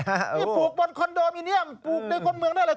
นี่ปลูกบนคอนโดมิเนียมปลูกในคนเมืองได้เลย